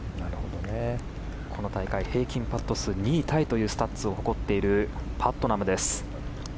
この大会平均パット数２位タイというスタッツを誇っているパットナムです。